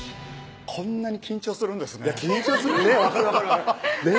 こんなに緊張するんですね